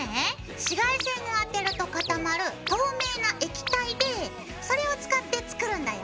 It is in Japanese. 紫外線を当てると固まる透明な液体でそれを使って作るんだよ。